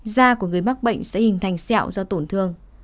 da của người mắc bệnh sẽ hình thành xẹo do tổn thương